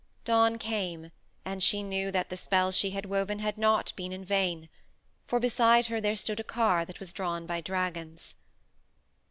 Dawn came, and she knew that the spells she had woven had not been in vain, for beside her there stood a car that was drawn by dragons.